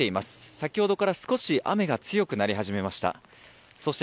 先ほどから少し雨が強くなり始めました。